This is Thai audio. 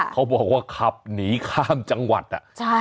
เขาบอกว่าขับหนีข้ามจังหวัดอ่ะใช่